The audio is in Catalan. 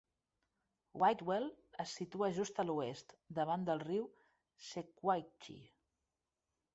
Whitwell es situa just a l'oest, davant del riu Sequatchie.